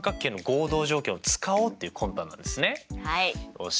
よし。